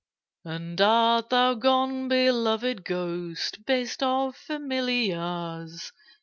'And art thou gone, beloved Ghost? Best of Familiars!